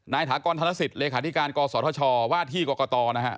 ถากรธนสิทธิเลขาธิการกศธชว่าที่กรกตนะฮะ